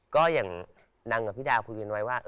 ก็อย่างดังกับพี่ดาวคุยกันไว้ว่า